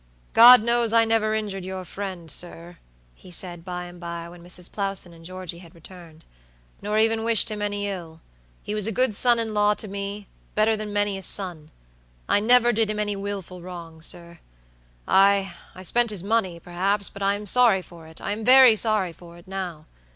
"God knows, I never injured your friend, sir," he said, by and by, when Mrs. Plowson and Georgey had returned, "nor even wished him any ill. He was a good son in law to mebetter than many a son. I never did him any wilful wrong, sir. II spent his money, perhaps, but I am sorry for itI am very sorry for it now.